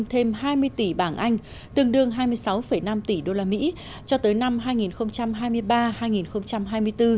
thêm hai mươi tỷ bảng anh tương đương hai mươi sáu năm tỷ usd cho tới năm hai nghìn hai mươi ba hai nghìn hai mươi bốn